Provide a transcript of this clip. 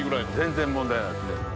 全然問題ないですね。